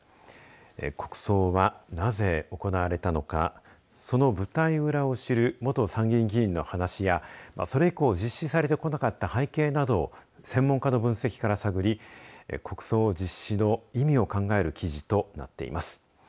国葬は、なぜ行われたのかその舞台裏を知る元参議院議員の話やそれ以降、実施されてこなかった背景などを専門家の分析から探り国葬実施の意味を考える記事となっています。